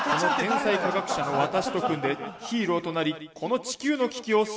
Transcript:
「天才科学者の私と組んでヒーローとなりこの地球の危機を救ってくれ」。